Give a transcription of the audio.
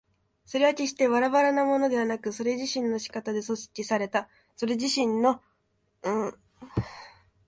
それは決してばらばらなものでなく、それ自身の仕方で組織されたそれ自身の斉合性をもっている。